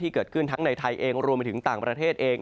เกิดขึ้นทั้งในไทยเองรวมไปถึงต่างประเทศเอง